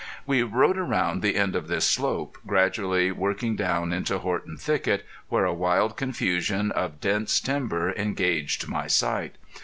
We rode around the end of this slope, gradually working down into Horton Thicket, where a wild confusion of dense timber engaged my sight.